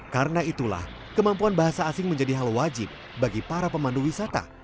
karena itulah kemampuan bahasa asing menjadi hal wajib bagi para pemandu wisata